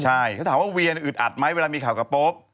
ใช่เขาถามว่าเวียอึดอัดไหมเวลามีข่าวกับโป๊ป